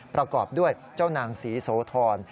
ประกอบด้วยเจ้านางศรีโสธร